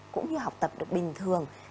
cũng như học tập được bình thường